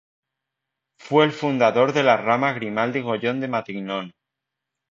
Fue el fundador de la rama Grimaldi-Goyon de Matignon.